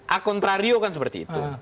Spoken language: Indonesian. a contrario kan seperti itu